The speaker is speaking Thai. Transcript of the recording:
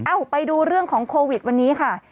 ไปดูเรื่องของโควิดวันนี้ค่ะ